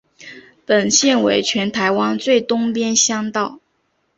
本线为全台湾最东边乡道。